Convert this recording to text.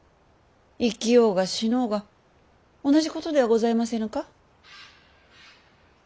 生きようが死のうが同じことではございませぬか？